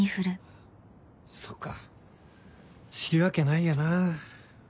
そっか知るわけないよな。